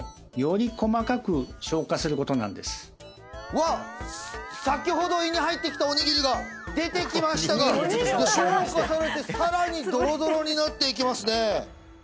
うわっ先ほど胃に入ってきたおにぎりが出てきましたが消化されてさらにドロドロになっていきますね